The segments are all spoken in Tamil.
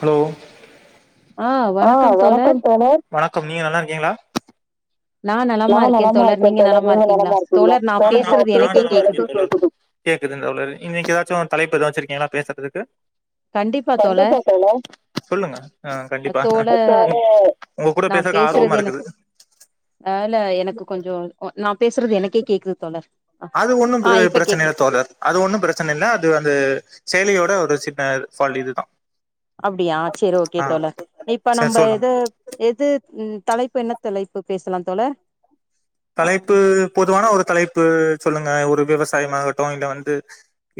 ஹலோ ஆ வணக்கம் தோழர் வணக்கம் நீங்க நல்லா இருக்கீங்களா நா நலமா இருக்க தோழர் நீங்க நலமா இருக்கீங்கலா நா நலமா இருக்கே கேக்குது இன்னிக்கு ஏதாச்சு தலைப்பு எதாவது வச்சிருக்கீங்களா பேசுறதுக்கு கண்டிப்பா தோழர் சொல்லுங்க ஆ கண்டிப்பா தோழர் உங்க கூட நா பேசறக்கு ஆர்வமா இருக்குது இல்ல எனக்கு கொஞ்ச [inaudible] நா பேசுறது எனக்கே கேக்குது தோழர் ஆ அது ஒன்னு ஆ பிர இப்ப பிரச்சன கேக்கல இல்ல தோழர் அது ஒன்னு பிரச்சன இல்ல அது வந்து செயலியோட ஒரு சின்ன ஃபால்ட் இதுதா அப்டியா சேரி ஓகே ஆ தோழர் இப்ப சரி நம்ப சொல்லுங்க எது எது தலைப்பு என்ன தலைப்பு பேசலா தோழர் ஆ தலைப்பு பொதுவான ஒரு தலைப்பு சொல்லுங்க ஒரு விவசாயமாகட்டு இல்ல வந்து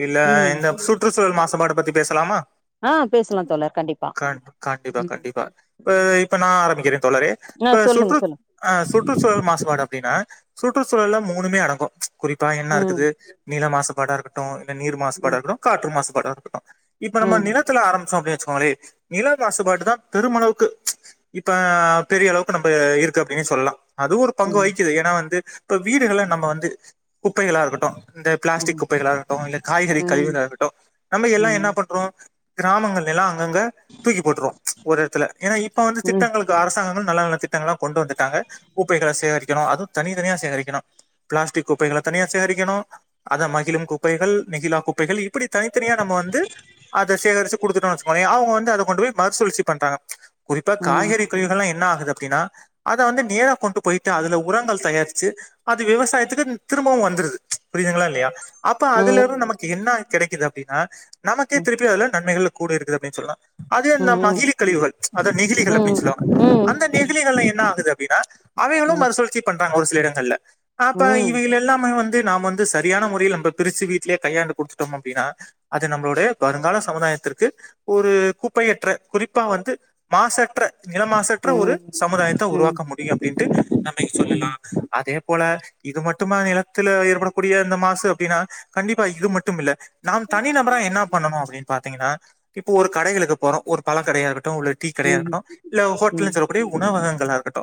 இல்ல ம் இந்த சுற்று சு மாசுபாடு பத்தி பேசலாமா ஆ பேசலா தோழர் கண்டிப்பா கண் கண்டிப்பா ம் கண்டிப்பா இப்ப ம் இப்ப நா ஆரம்பிக்கிறே தோழரே ஆ இப்ப சொல்லுங்க சுற்று சொல்லுங்க ஆ சுற்றுச்சூழல் மாசுமாட த சுற்றுச்சூழல மூணுமே அடங்கு குறிப்பா என்ன ம் இருக்குது நிற மாசம் பட இருக்கட்டு நீர் மாசு பாட ம் இருக்கடு காற்று மாசு பாட டக் இப்ப நம்ப ம் நிலத்துல ஆம்பிச்சொ அப்டிய நில மாசுபாடு தா பெருமளவுக்கு ச் இப்ப பெரிய அளவுக்கு நம்ப இருக்கு அப்டின்னு சொல்லலா அதுவு ஒரு பங்கு ம் வகி வந்து இப்ப வீடுகள நம்ப வந்து குப்பைகளா இருக்கட்டு இந்த ம் பிளாஸ்டிக் குப்பைகளாக இருக்கட்டு இல்ல காய்கறி ம் கழிவுகளாக இருக்கட்டு நம்ப ம் எல்லா என்னா பண்றோ கிராமங்கள்ல எல்லா அங்க தூக்கி போட்ருவோ ஒரு இடத்துல ஏன்னா இப்ப வந்து ம் திட்டங்களுக்கு அரசாங்கங்கள் நல்ல நல்ல திட் லாம் கொண்டு வந்துட்டாங்க குப்பைகள சேகரிக் கரு அது தனித்தனியா சேகரிக்கணு பிளாஸ்டிக் குப்பைகள தனியா சேகரிக்கணு அத மகிழம் குப்பைகள் நிகிழம் குப்பைகள் அப்டி தனித்தனியா நம்ம வந்து அத சேகரிச்சு கொடுத்துட்டோனு வச்சுகயே அவங்க வந்து அத கொண்டு போய் மறுசுழ்சி பண்றாங்க குறிப்பா ம் காய்கறி கழிவுகல்லா என்ன ஆகுது து அப்டின்னா அத வந்து நேரா கொண்டு போய் ட்டு அதுல உரங்கள் தயாரிச்சு அது விவசாயத்துக்கு திரும்பவும் வந்துருது புரியுதுங்களா இல்லையா அப்ப அதுல ம் இருந்து நமக்கு என்ன கிடைக்குது அப்டினா ம் நமக்கே திருப்பி அதுல்ல நன்மைகளு கூட இருக்குது அப்டின்னு சொல்லா அது ம் மகிழி கழிவுகள் அத நெகிழிகள் ம் அப்டின்னு ம் சொல்லுவாங்க அந்த ம் நெகிழிகளா என்ன ஆகுது அப்டின்னா ம் மறுசூழற்ச்சி பண்றாங்க ஒருசி ல இடங்கள ஆப்ப ம் இவல எல்லாமே வந்து து நாம வந்து சரியான முறையில நம்ம பிரிச்சு வீட்டிலயே கையாண்டு குடுத்துட்டோம் அப்டின்னா அது நம்ளுடைய வருங்கால சமுதாயத்திற்கு ஒரு குப்பையற்ற குறிப்பா வந்து மாசற்ற ம் நிலமாசற்ற ஒரு ம் சமுதாயத்த ம் ம் உருவாக்க முடியு அப்படின்ட்டு நம் நீங்க ம் சொல்லலா அதே போல இது மட்டும்மா நிலத்துல ஏற்படக்கூடிய இந்த மாசு அப்டின்னா கண்டிப்பா இது மட்டு இல்ல நாம் தனி நபரா என்ன பண்ணு அப்டின்னு பாத்தீங்கன்னா இப்போ ஒரு கடைகளுக்கு போறோ ஒரு பல கடையாகட் டு உள்ள டீ கடையா ம் இருட்டு இல்ல ஹோட்டல்னு செல்லக்ககூடிய உணவகங்க லா இருகட்டு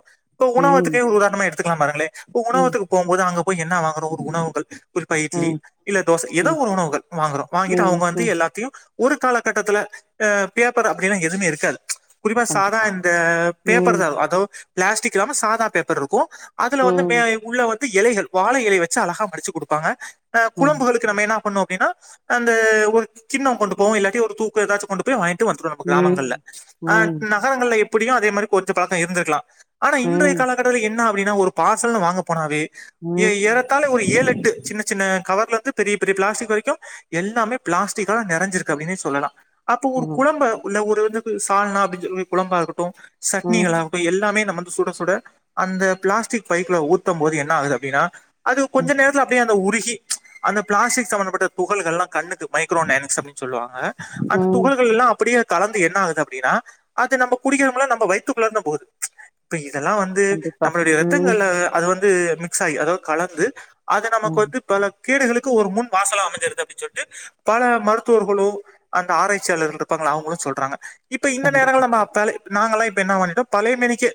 ம் உதாரணமா எடுத்துகலா பாருங்களே இப்ப உணவகத்துக்கு போபோது அங்க போய் என்ன வாங்குறோ ஒரு உணவுகள் குறிப்பா இட்லி ம் இல்ல தோச ஏதோ ம் ஒரு உணவுகள் வாங்குறோ வாங்கிட்டு ம் அவங்க வந்து ம் எல்லாத்தையு ஒரு காலகட்டத்துல அ பேப்பர் அப்டிலா எதுவுமே இருக்காது குறிப்பா சாதா கண்டிப்பா இந்த பேப்பர் தா ம் அதோ பிளாஸ்டிக் இல்லாம சாதா பேப் ப்பர்ருக்கு அதுல வந்து மே ம் ம் உள்ள வந்து இலைகள் வாழை இலை வச்சு அழகா மடிச்சு குடுப்பாங்க அ ம் குழபுளுக்கு நம்ம என்ன பண்ணோ னா அந்த ஒரு கின்னோ கொண்டு போவோ இல்லாட்டி ஒரு தூக்கு ஏதாச்சும் கொண்டு போய் வாங்கிட்டு டு வந்துடோ நம்ம கிராமங்களல ம் நகரங்களல எப் புடியு அதே மாரி கொஞ்ச பழக்கோ இருந்திருக்கலா ஆனா ம் ம் இன்றைய ம் கால என்ன அப்டின்னா ஒரு பார்சல் வாங்க போனாவே ஏ ம் ஏறத்தாலே ஒரு ஏழு எட்டு டு சின்ன சின்ன கவர்ல இருந்து பெரிய பெரிய பிளாஸ்டிக் வரைக்கு எல்லாமே பிளாஸ்டிகா நெறைஞ்சிருக்கு அப்டினே சொல்லலா அப்போ ஒரு ம் குழம்ப உள்ள ஒரு ம் சால்னா அப்டின்னு சொல்லி குழம்பா இருக்கட்டு சட்னிகள் ஆகட்டு எல்லாமே நம்ம சுட சுட அந்த பிளாஸ்டிக் பைக்ல ஊத்த போது என்ன ஆகுது அப்டின்னா அது கொஞ்ச நேரதுல அப்டியே உருகி அந்த பிளாஸ்டிக் சம்பந்தப்பட்ட துகள்களா கண்ணுக்கு மைக்ரோநேனிக்ஸ் அப்டினு சொல்லுவாங்க அந்த ம் துகள்கள் எல்லா அப்படியே கலந்து என்ன ஆகுது அப்டின்னா அது நம்ம குடிக்கிறம்ல நம்ம வயதுக்குள்ள தா போகுது ப்ப இது இதெல்லா வந்து கண்டிப்பா நம்மளுடைய ம் ரத்தங்கள் அது வந்து அது மிக்ஸ் ஆகி அதாவது கலந்து அது நமக்கு ம் வந்து பல கீரைகளுக்கு ஒரு முன் வாசலா அமைஞ்சருது அப்படின்னு சொல்லிட்டு பல மருத்துவர்களு அந்த ஆராய்ச்சியாளர்கள் இருப்பாங்கள அவங்களு சொல்றாங்க இப்ப இந்த நேரங்கள கண்டிப்பா நம்ம ஆத்தாலே நாங்களல்லா இப்ப என்ன பண்ட்டோ பழைய மேனிக்கே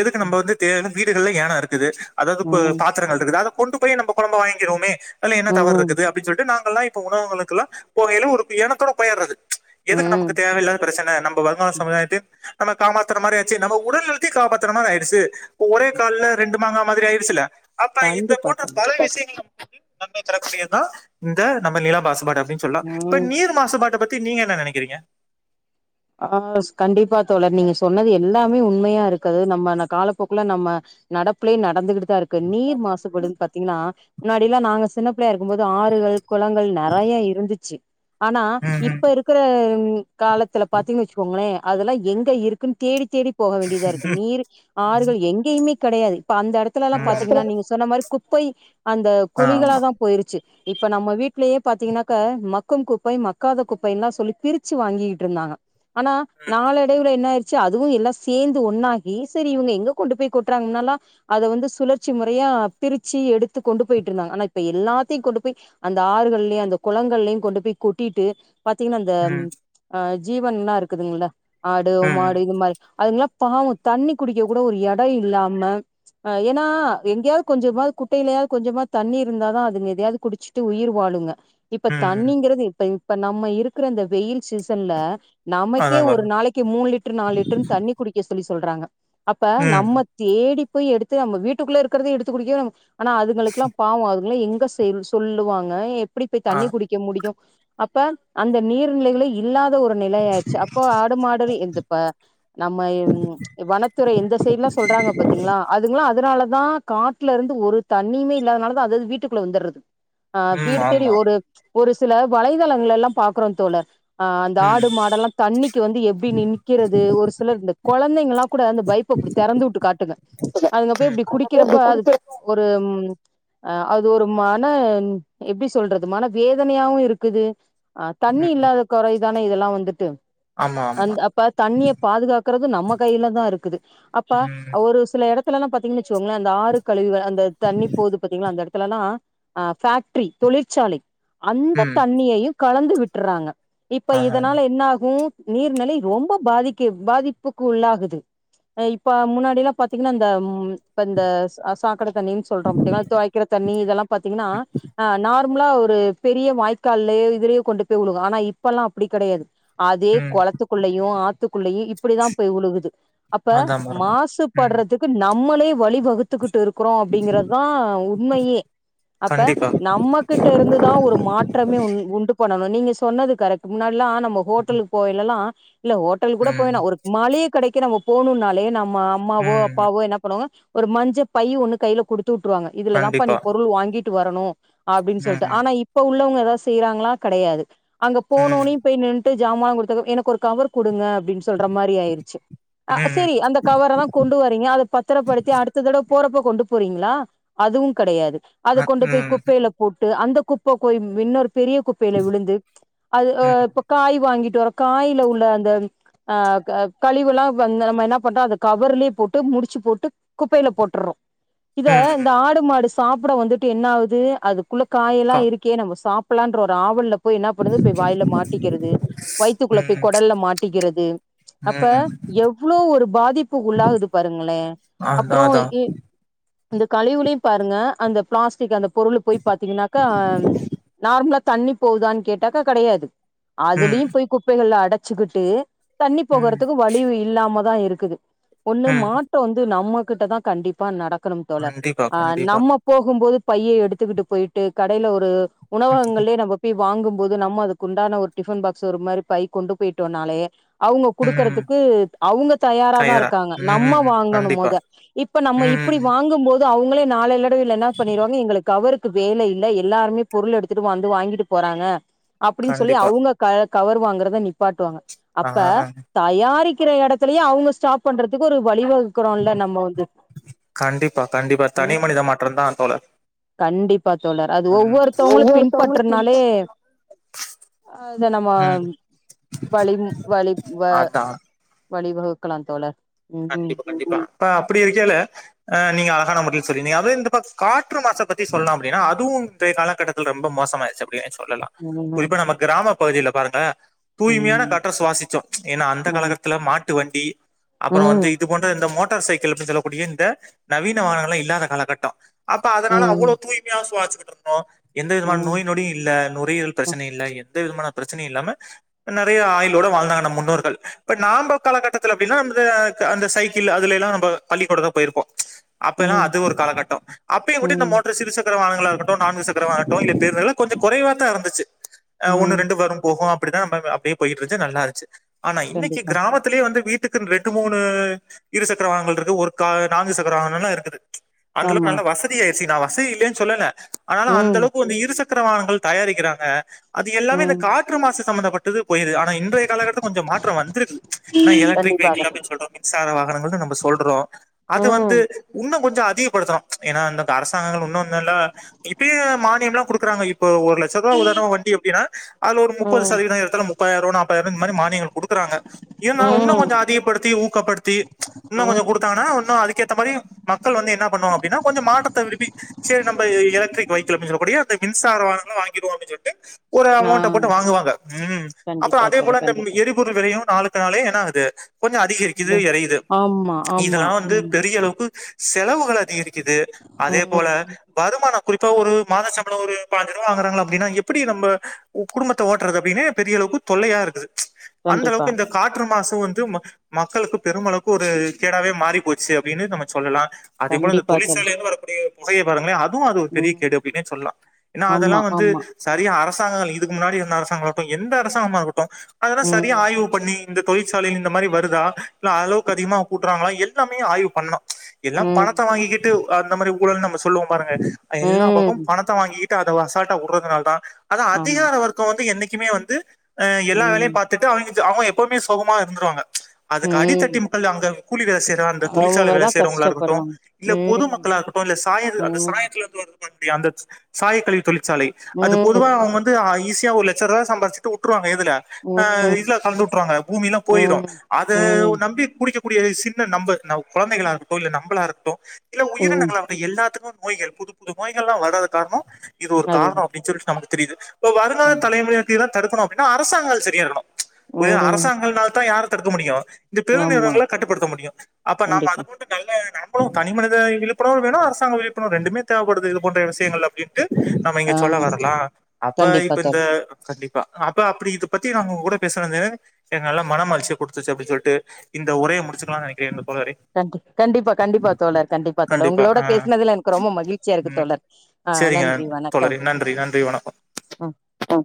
எதுக்கு நம்ம வந்து வீடுகள்ல யானோ இருக்குது அதாவது ம் பல ம் பாத்திரங்கள் இருக்குது கொண்டு போய் நம்ம குழம்பா வாங்கிறொமே இல்ல என்ன ம் தவறுக்குது அப்டி சொல்ட்டு நாங் இல்லா இப்ப உணவுங்களுக்குல்லா போகௌல ஒரு எனத்தோட போயிர்றது எதுக்கு நமக்கு ம் தேவையில்லாத பிரச்சன நம்ப வருங்கால சமுதாயத்தயு நம்ம காமாத்திரமாரி ஆச்சு நம்ம உடல் நலத்தயு காப்பாத்துரமாரி ஆயிடுச்சு ஒரே கல்லுல ரெண்டு மாங்கா மாதிரி ஆயிச்சுல அப்பா இந்த கண்டிப்பா தோழி போட்ட [inaudible] விஷயங்களு நன்மை தரக்கூடிய தா இந்த நம்ம நிலா பாசுபாட டினு சொல்லா இப்ப ம் நீர் மாசுபாட்ட பத் த்தி நீங்க என்ன நெனக்கிறீங்க ஆ கண்டிப்பா தோழர் நீங்க சொன்னது எல்லாமே உண்மையா இருக்கு நம்ம காலப்போக்கல நம்ம நடப்புலயே நடந்துகிட்டு தாருக்கு நீர் மாசுபடு பாத்தீங்கனா முன்னாடிலா நாங்க சினப் பிளயா இருக்கு போது ஆறுகள் குளங்கள் நெறைய இருந்துச்சு ஆனா ம், இப்ப இருக்குற காலத்துல பாத்தீங்னு வச்சுக்கோங்களே அதெல்லா எங்க இருக்குன் தேடி தேடி போக வேண்டியதா இருக்கு நீர் ஆறுகள் எங்கேயுமே கடையாது அந்த இடத்துலல்லா ம், அந்த பாத்தீங்கன்னா நீங்க சொன்ன மாரி குப்பை அந்த குழிகள தா போயிருச்சு இப்ப நம்ம வீட்லயே பாாரத்தீங்கன்னாக்க மக்கும் குப்பை மக்காத குப்பைன்லா சொல்லி பிரிச்சு வாங்கிகிட்ருந்தாங்க ஆனா நாளடைவுல என்ன ஆயி ச்சு அதுவு எல்லாசேந்து ஒன்னாகி செரி இவங்க எங்க கொண்டு போய் கொட்டுறாங்க முன்னாலா அத வந்து சுழற்சி முறையா பிரிச்சு எடுத்து கொண்டு போயிட்டுருந்தாங்க ஆனா இப்ப எல்லாத்தையு கொண்டு போய் அந்த ஆறுகள்லயு அந்த குளங்கள்லயு கொண்டு போய் கொட்டிட்டு பாத்தீங்கனா அந்த ம். அ ஜீவன்னா இருக்குதுங்கள ஆடு இடத்துல ஆமா மாடு இது மாரி அதுங்கல்லா பாவொ தண்ணி குடிக்க கூட ஒரு எடொ இல்லாம ஏனா எங்கேயாவது கொஞ்சமாவது குட்டையிலையாவது கொஞ்சமா தண்ணி இருந்தாதா அதுங்க எதையாவது குடிச்சுட்டு உயிர் வாழுங்க இப்ப ம் ம் ம் தண்ணிங்கிறது இப்ப இப்போ நம்ம இருக்கிற அந்த வெயில் சீசன் ல நமக்கே அதான் ஒரு வரும் நாளைக்கு மூணு லிட்டரு நால் லிட்ருனு தண்ணி குடிக்க சொல்லி சொ சொல்றாங்க அப்ப ம் நம்ம தேடி போய் எடுத்து நம்ம வீட்டுக்குள்ள இருக்கத எடுத்து குடிக்கவே நம ஆனா அதுங்கலுகெல்லா பாவோ அது இலா எங்க செயல் சொல்லுவாங்க எப் அப்டி போய் ஆ தண்ணி குடிக்க முடியு அப்ப அந்த நீர்நிலைகள இல்லாத ஒரு நிலையாச்சு அப்போ ஆடு மாடு இந்து ப நம்ம வனத்துறை எந்த சைடலா சொல்றாங்க பாத்தீங்களா அதுங்லா அதனாலத னா காட்டுலருந்து ஒரு தண்ணியுமே இல்லாதனால தா அதுது வீட்டுக்குள்ள வந்தர்ரது ஆ ம் வீடு தெடி ஆமா ஒரு ஒரு சில வலைதளங்களல்லா பாக்குறோ தோழர் அ ம் ஆடு மாடெல்லா தண்ணிக்கு வந்து எப்டி நி நிக்கிறது ஒரு சிலர் இந்த குழந்தங்கல்லா கூட அந்த பைப்பு இப்படி திறந்துட்டு காட்டுங்க அதுங்க ம் போய் இப்டி அவங்க குடிக்கிறப்ப வந்து அது குடிக்கிற ஒரு அ அது ஒரு மன எப்டி சொல்றது மன வேதனையாவு இருக்குது ஆ தண்ணி ம் இல்லாத கொறை தானே இதெல்லா வந்துட்டு ஆமா ஆமா அந்த் அப்ப தண்ணிய பாதுகாக்ற்து நம்ம கையில தா இருக்குது அப்ப ம் ஒரு சில எடத் பூக்களலா பாத்திங்கன்னு வச்சிகோங்களே அந்த ஆறு கழிவுக அந்த தண்ணி போகுது பாத்தீங்கன்னா அந்த எடக்கு லானா அ ஃபேக்ட்ரி தொழிற்சாலை அந்த ம் தண்ணியையு கலந்து விட்றாங்க இப்ப ஆ, இதனால என்ன ஆகு நீர்நிலை ரொம்ப பாதிக்க பாதிப்புக்கு உள்ளாகுது அ இப்ப முன்னாடில்லா பாத்தீங்கனா ந்த இப்ப இந்த சாக்கடை தண்ணின்னு சொல்றொ பாத்தீங்கன்னா துவைக்கிற தண்ணி இதெல்லா பாத்தீங்கன்னா ம், ஆ நா ப்ம்லா ஒரு பெரிய வாய்க்காலயோ இதலையோ கொண்டு போய் வுழுகு ஆனா இப் இப்பல்லா அப்டி கெடையாது அதே ம் குளத்துக்குள்ளயை ஆத் குள்ளயு இப்டிதா போய் உழுகுது அப்ப அதான் பாருங்க ம் மாசுபடுறதுக்கு நம் நம்மளே வழி வகுத்துக்கிட்டு இருக் ருக்குறோ அப்டிங்கறதா உண்மையே அப்ப கண்டிப்பா நம்மகிட்ட இருந்துதா ஒரு மாற்றமே உண் உண்டு பண்ணணு நீங்க சொன்னது கரெக்ட் தும்முனால் ல்லாம் நம்ம ஹோட்டலுக்கு போவேலலா இல்ல ஹோட்டல் கூட ம் போவேனா ஒரு மல்லியே கடைக்கு நம் போணும்னாலே நம் மாம்மாவோ ம் அப்பாவோ என்ன பண்ணுவாங் ஒரு மஞ்ச பை ஒன்னு கையில குடுத் துட்டுருவாங்க இதுலதாபா கண்டிப்பா நீ பொருள் வாங்கிட் ட்டு வரணு அப்டின் ம் சொல்ட்டு ஆனா இப்ப உள்ளவங்க அத செய்றாங்ளா கடயாது அ ம் போனோனு போய் நின் டு ஜாம கொடுத்தக எனக்கொரு கவர் குடுங்க ப்டின் சொல்ற மாரி ஆயிருச்சு அ ம் ம் ம் சேரி அந்த கவரத கொண்டு வரீங்க அத பத்தரப்படுத்தி அடுத்ததட போறப்ப கொண்டு போறீங்ளா அதுவு கடயாது அத அ கொண்டு போய் ம் குப்பையில போட்டு அந் குப்பபோய் இன்னொரு பெரிய குப்பையில விழுந்து அது அ ம் இப்ப காய் வாங்கிட்டு வர காயில உள்ள அந்த அ க கழிவுல்லா இப்ப வந்து நம்ப என்ன பணரோ அந்த கவர்லே போட்டு முடிச்சு போட்டு குப்பைல போட்றோ இத ம் இந்த ம் ஆடு மாடு சாப்பிட வந்துட்டு என்ன ஆகுது அது குள்ள காய எல்லா கா இருக்கே நம்ம சாப் பிலான்ற என்ற ஒரு ஆவல போய் என்னா பண்ணுது போய் வாயில மாட்டிக்கிறது வயிற்றுக்குள்ள போய் ம் குடல்ல மாட்டிக்கிறது அப்ப ம் எவ்வளவு ஒரு பாதிப்பு உள்ளாகுது பாருங்களே அதா அப்புறோ அதா எ அந்த கழிவுலயு பாருங்க அந்த பிளாஸ்டிக் அந்த பொருளு போய் பாத்தீங்கன்னாக்கா நார்மலா தண்ணி போவுதான் கேட் டாக்கா கிடையாது ம் அதுலயும் போய் குப்பைகள்ல அட வச்சுக்கிட்டு தண்ணி ம் போகறதுக்கு வலியு இல்லாம தா இ இருக்குது ஒன்னு ம் மாட்ட வந்து நம்ம கிட்ட தா கண்டிப்பா நட க்கணும் தோழர் கண்டிப்பா ஆ கண்டிப்பா நம்ம போகும் போது பைய எடுத்துக்கிட்டு போய்டு கடயில ஒரு ம் உணவகங்களே நம்ம பி வாங்கு போது நம்ம அதுக்கு உண்டான ஒரு டிஃபன் பாக்ஸ் ஒரு மாரி பை கொண்டு போயிட்டோனாலே அவுங்க ம், குடுக்கறதுக்கு அவுங்க தயார தான் தயாரா இருக்காங்க ம் நம்ம ம், வாங்கணு கண்டிப்பா மொத இப்ப நம்ம ம் இப்படி ம், வாங்கு போது து அவுங்ளே நாளடைவுல என்ன பண்ணிருவாங்க எங்களுக்கு கவருக்கு வேல இல்ல எல்லாருமே பொருள் எடுத்துட்டு வந்து வாங்கிட்டு போறாங்க அப்டின் சொல்லி கண்டிப்பா அவுங்க க கவர் வாங்கறதா நிப்பாட்டுவாங்க ஆ அப்ப ஆ, தயாரிக் கிற எடத்தலயும் அவுங்க ஸ்டாப் பண்றதுக்கு ஒரு வழிவ க்கறோம் இல்ல நம்ம வந்து கண்டிப்பா கண்டிப்பா தனி ம் மனித மாற்றந்தா தோழர் கண்டிப்பா தோழர் அது ம் ஒவ்வொருத்தவங்களும் ஒவ்வொருத்தவங்களுக்கு பின்பற்றுனாலே அத நம்ம ம் வலி வலி வ அதா வழி வகுக்கலா தோழ கண்டிப்பா கண்டிப்பா இப்ப அப்டி இருக்கேல ஆ நீங்க அழகான முகில்ஸ் தோழி நீங்க அப்டே இந்த பக் காற்று மாச பத்தி சொல்லலாம் அப்டின்னா அதுவும் இந்த காலகட்டத்தில் ரொம்ப மோசமாயிருச்சு அப்டி ஆச்சி சொல்லலா ம் குறிப்பா நம்ம கிராம பகுதில பாக்கட்ட தூய்மையான ம் காற்ற சுவாசிச்சோம் ஏன்னா அந்த ஆமா காலகட்டத்துல மாட் டு வண்டி அப்பறம் வந்து ம் இது போன்ற இந்த மோட் டார் சைக்கள் அப்டின் சொல்லக்கூடிய இந்த நவீன வாகனங்கள்லா இல்லாத காலகட்டோம் அப்ப அதனால ம் அவ்ளோ தூய்மையா சுவாச்சி கிட்டு இருந்தோம் எந்த விதமான ம் நோய் நொடியும் இல்ல நுரையீரல் பிரச்சன இல்ல எந் ந்தவிதமான பிரச்சனையே இல்லாம நறயா ஆயுளோட வாழ்ந்தாங்க நம் முன்னோர்கள் பட் நாம்ப காலகட்டத்துல அப்டினா து ஆ க அந்த சைக்கிள் அதுலலாம் நம்ப பள்ளிக்கூட தான் போயிருப்போம் அப்பேல்லாம் ம் ம் அது ஒரு காலகட்டம் அப்பையும் கோட்டி இந்த மோட்டர் சிறுசக்கர வாகன களா இருக்கட்டும் நான்கு சக்கரவாகட்டும் இல்ல தெ இதுலா கொஞ்சம் கொறைவா தான் இருந்துச்சு ஆ ஒன்னு ம் ரெண்டு வரும் போகும் அப்படிதான் நம்ப அப்டே போகிட்டு இருந்துச்சி நல்லாருன்ச்சி ஆனா இன்னைக்கு கண்டிப்பா கிராமத்துலே வந்து வீட் க்கு ரெண்டு மூணு இரு சக்கரவாங்கள் இருக்கு ஒரு கார் நான்கு சக்கரவாகனங்கலா இருக்குது அந்தலவுக்கு ஆமா நல்லா வசதி ஆ ச்சி நா வசிதி இல்லன் சொல்லல ஆனாலு அந்த ம் அளவுக்கு கொஞ்சோ இரு சக் கரவாகனங்கள் தயாரிக்கிறாங்க அது எல்லாமே இந்த ம் காற்று மாசு சம்மந்தப்பட்டது போயிருது ஆனா இன்றைய காலகட்டதுக்கு கொஞ்சம் மாற்றம் வந்துருக்கு ஆனா எத கண்டிப்பாக சொல்றோம் அது ம் வந்து இன்னும் கொஞ்சம் அதிகப்படுத்தணும் ஏன்னா இந்த அரசாங்கங்கள் இன்னும் நல்லா இப்பயே மானியம்லாம் குடுக்குறாங்க இப்போ ஒரு லட்ச ரூபா உதாரணமா வண்டி அப்படின்னா அதுல ஒரு முப்பது ம் சதவீதம் இடத்துல முப்பதாயிரம் ரூபா நாற்பதாயிரம் இந்த மாதிரி மானியங்கள் குடுக்குறாங்க இருந்தாலும் இன்னும் ம் கொஞ்சம் அதிகப்படுத்தி ஊக்கப்படுத்தி இன்னும் கொஞ்சம் ம் கொடுத்தாங்கன்னா இன்னும் அதுக்கேற்ற மாதிரி மக்கள் வந்து என்ன பண்ணுவாங்க அப்படின்னா கொஞ்சம் மாற்றத்தை விரும்பி சரி நம்ம எலக்ட்ரிக் வெஹிக்கிள் அப்படின்னு சொல்லக்கூடிய அந்த மின்சார வாகனங்களை வாங்கிடுவோம் அப்படின்னு சொல்லிட்டு ஒரு அமௌண்ட்டை ஆ போட்டு வாங்குவாங்க ம் அப்புறம் கண்டிப்பா அதே தோழி போல இந்த கண்டிப்பா எரிபொருள் விலையும் நாளுக்கு நாளே என்ன ஆகுது கொஞ்சம் அதிகரிக்குது வே இறையுது ஆமா ஆமா இதெல்லாம் வந்து ம் பெரிய அளவுக்கு செலவுகள் அதிகரிக்குது அதே போல ம் வருமானம் குறிப்பா ஒரு மாத சம்பளம் ஒரு பாஞ்சு ரூபா வாங்குறாங்க அப்படின்னா எப்படி நம்ம குடும்பத்தை ஓட்டுறது அப்படின்னு பெரிய அளவுக்கு தொல்லையா இருக்குது அந்த கண்டிப்பா அளவுக்கு இந்த காற்று மாசு வந்து மக்களுக்கு பெருமளவுக்கு ஒரு கேடாவே மாறி போச்சு அப்படின்னு நம்ம சொல்லலாம் அதே போல இந்த கண்டிப்பா தோழி தொழிற்சாலையில இருந்து வரக்கூடிய புகையை பாருங்களேன் அதுவும் அது ஒரு பெரிய ம் கேடு அப்படின்னே சொல்லலாம் ஏன்னா ஆமா அதெல்லாம் வந்து ஆமா சரியா அரசாங்கங்கள் இதுக்கு முன்னாடி இருந்த அரசாங்கமாகட்டும் எந்த அரசாங்கமா இருக்கட்டும் அதெல்லாம் சரியா ம் ஆய்வு பண்ணி இந்த தொழிற்சாலையில் இந்த மாதிரி வருதா இல்ல அளவுக்கு அதிகமா கூட்டுறாங்களா எல்லாமே ஆய்வு பண்ணணும் எல்லாம் ம் பணத்தை வாங்கிக்கிட்டு அந்த மாதிரி ஊழல்னு நம்ம சொல்லுவோம் பாருங்க எல்லா ம் பக்கம் பணத்தை வாங்கிக்கிட்டு அதை அசால்ட்டா விடுறதுனால தான் அதான் ஆமா அதிகார வர்க்கம் வந்து என்னைக்குமே வந்து அஹ் எல்லா ம் வேலையும் பார்த்துட்டு அவங்க அவங்க எப்பவுமே சுகமா இருந்துருவாங்க அதுக்கு ம் அடித்தட்டி மக்கள் அங்க கூலி வேலை செய்யற அந்த தொழிற்சாலை வேலை அவங்கதா செய்யறவங்களா இருக்கட்டு கஷ்டப்படுவாங்க இல்ல ம் பொதுமக்களா இருக்கட்டு இல்ல சாய அந்த ம் சாயத்துல இருந்து வரக்கூடிய அந்த சாயக்கழிவு தொழிற்சாலை அது பொதுவா ம் அவங்க வந்து ஈஸியா ஒரு லட்ச ரூபா சம்பாரிச்சுட்டு விட்டுருவாங்க இதுல ஆஹ் ம் இதுல கலந்து விட்டுருவாங்க பூமி எல்லாம் போயிரும் ம் அத ம் நம்பி குடிக்கக்கூடிய சின்ன நம்ம குழந்தைகளா இருக்கட்டும் இல்ல நம்மளா இருக்கட்டும் இல்ல ம் உயிரினங்களா இருக்கட்டும் எல்லாத்துக்குமே நோய்கள் புது புது நோய்கள்லாம் வராத காரணம் இது ஒரு அதுதா காரணம் அப்படின்னு சொல்லிட்டு நமக்கு தெரியுது இப்ப வருங்கால கண்டிப் தலைமுறையினருக்கு இதெல்லாம் தடுக்கணும் அப்படின்னா அரசாங்கங்கள் சரியா இருக்கணும் புதிய ம் அரசாங்கங்கள்னால தான் யார தடுக்க முடியு இந்த ஆமா பெருநிறுவனங்கள கட்டுப்படுத்த முடியு அப்ப நாம அது கண்டிப்பா போட்டு நல்ல நம்மளு தனி மனித விழிப்புணர்வு வேணு அரசாங்க விழிப்புணர்வு ரெண்டுமே தேவப்படுது இது போன்ற விஷயங்கள் அப்டின்ட்டு நம்ம ஆ இங்க சொல்ல வரலா அப்ப கண்டிப்பா இப்ப தோழி இந்த கண்டிப்பா அப்ப அப்டி இத பத்தி நாங்க உங்க கூட பேசுனது எனக்கு நல்ல மன மகிழ்ச்சிய குடுத்துச்சு அப்டின்னு சொல்ட்டு இந்த உரைய முடிச்சுக்கலானு நெனைக்கிறே தோழரே கண்டி கண்டிப்பா கண்டிப்பா தோழர் கண்டிப்பா தோழர் கண்டிப்பா உங்களோட ஆ பேசுனதுல எனக்கு ரொம்ப மகிழ்ச்சியா இருக்கு ம் தோழர் ஆ செரிங்க நன்றி வணக்கம் தோழரே நன்றி நன்றி வணக்கம் ம் ஆ